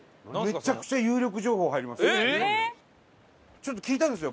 ちょっと聞いたんですよ。